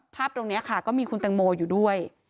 ภาพตรงนี้ค่ะก็มีคุณตังโมอยู่ด้วย